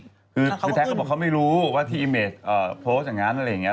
คือแท็กเขาบอกเขาไม่รู้ว่าที่อีเมจโพสต์อย่างนั้นอะไรอย่างนี้